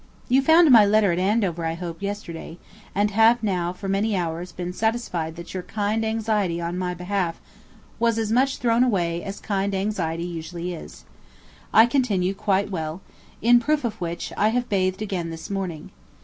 You found my letter at Andover, I hope, yesterday, and have now for many hours been satisfied that your kind anxiety on my behalf was as much thrown away as kind anxiety usually is. I continue quite well; in proof of which I have bathed again this morning.